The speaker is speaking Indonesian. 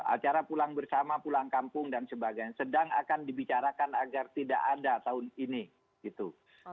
acara pulang bersama pulang kampung dan sebagainya sedang akan dibicarakan agar tidak ada tahun ini gitu